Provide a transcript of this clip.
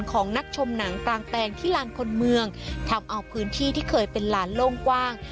ของนักชมหนังกลางแปลงที่ลานคนเมืองทำเอาพื้นที่ที่เคยเป็นลานโล่งกว้าง